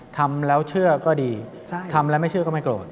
ทำแล้วเชื่อก็ดีทำแล้วไม่เชื่อก็ไม่โกรธ